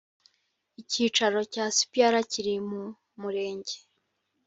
icyicaro cya cpr kiri mu murenge